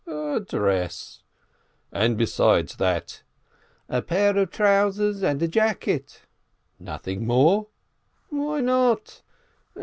"A dress—" "And besides that?" "A pair of trousers and a jacket —" "Nothing more?" "Why not?